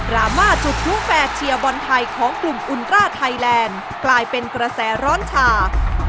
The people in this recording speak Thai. รามาจุดพลุแฟร์เชียร์บอลไทยของกลุ่มอุลร่าไทยแลนด์กลายเป็นกระแสร้อนชา